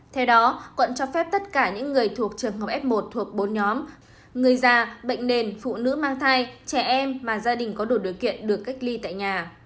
theo đó quận cho phép tất cả những người thuộc trường hợp f một thuộc bốn nhóm người già bệnh nền phụ nữ mang thai trẻ em mà gia đình có đủ điều kiện được cách ly tại nhà